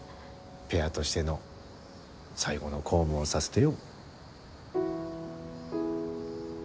ペアとしての最後の公務をさせてよ。